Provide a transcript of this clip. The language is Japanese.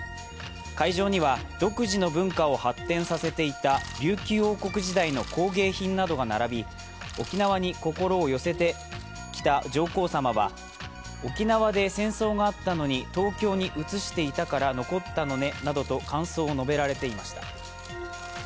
会場には独自の文化を発展させていた琉球王国時代の工芸品などが並び、沖縄に心を寄せてきた上皇さまは、沖縄で戦争があったのに東京に移していたから残ったのねなどと感想を述べられていました。